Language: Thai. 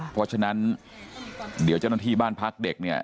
เพราะฉะนั้นเดี๋ยวเจ้าหน้าที่บ้านพักเด็กเนี่ย